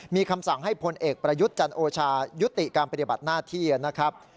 มีคำสั่งให้พลเอกประยุทธ์จันโอชายุติการปฏิบัติหน้าที่นะครับ